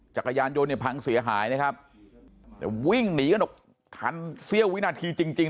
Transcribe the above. จักรยานยนต์เนี่ยพังเสียหายนะครับแต่วิ่งหนีกันออกทันเสี้ยววินาทีจริงจริง